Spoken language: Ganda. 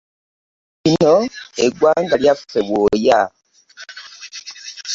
Lino eggwanga lyaffe bwoya.